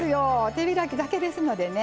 手開きだけですのでね。